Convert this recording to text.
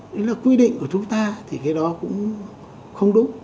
đấy là quy định của chúng ta thì cái đó cũng không đúng